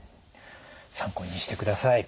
参考にしてください。